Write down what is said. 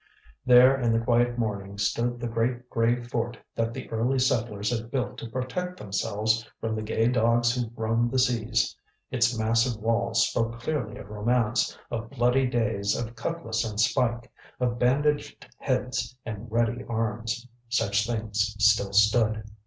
There in the quiet morning stood the great gray fort that the early settlers had built to protect themselves from the gay dogs who roamed the seas. Its massive walls spoke clearly of romance, of bloody days of cutlass and spike, of bandaged heads and ready arms. Such things still stood!